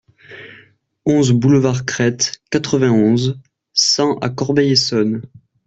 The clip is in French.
onze boulevard Crete, quatre-vingt-onze, cent à Corbeil-Essonnes